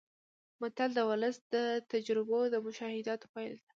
متل د ولس د تجربو او مشاهداتو پایله ده